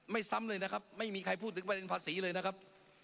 ซ้ำเลยนะครับไม่มีใครพูดถึงประเด็นภาษีเลยนะครับ